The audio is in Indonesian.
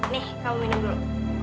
nih kamu minum dulu